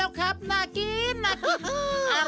มาแล้วครับหน้ากินหน้ากิน